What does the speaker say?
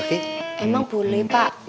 emang boleh pak